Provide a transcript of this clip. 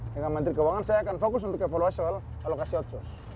dengan menteri keuangan saya akan fokus untuk evaluasi soal alokasi otsus